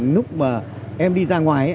lúc mà em đi ra ngoài